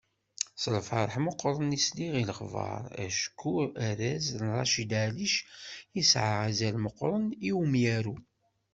S lferḥ meqqren i sliɣ i lexbar, acku arraz Racid Ɛellic yesɛa azal meqqren i umyaru.